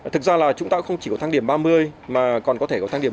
thực ra là chúng ta không chỉ có thang điểm ba mươi mà còn có thể có thang điểm